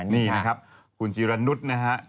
นี่นะครับคุณจิรนุษย์นะฮะ